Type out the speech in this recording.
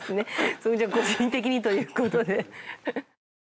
それじゃあ個人的にということで。